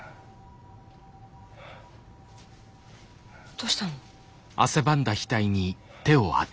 どうしたの？